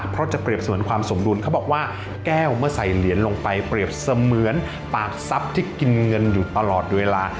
เพราะจะเปรียบเสมือนความสมดุลเขาบอกว่าแก้วเมื่อใส่เหรียญลงไปเปรียบเสมือนปากทรัพย์ที่กินเงินอยู่ตลอดเวลา